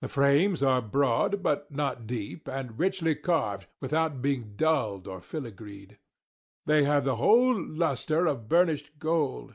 The frames are broad but not deep, and richly carved, without being _dulled _or filagreed. They have the whole lustre of burnished gold.